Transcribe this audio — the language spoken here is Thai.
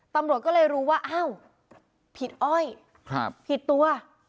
ตำรวจก็เลยรู้ว่าอ้าวผิดอ้อยผิดตัว